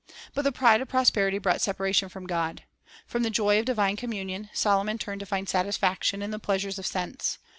But the pride of prosperity brought separa tion from God. From the joy of divine communion Solomon turned to find satisfaction in the pleasures of sense.